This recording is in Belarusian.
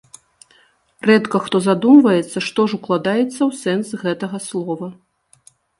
Рэдка хто задумваецца, што ж укладаецца ў сэнс гэтага слова.